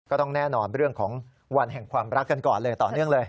ก็ต้องแน่นอนเรื่องของวันแห่งความรักกันก่อนเลยต่อเนื่องเลย